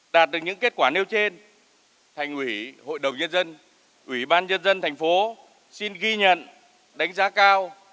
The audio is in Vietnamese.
đạt được những kết quả nêu trên thành ủy hội đồng nhân dân ủy ban nhân dân thành phố xin ghi nhận đánh giá cao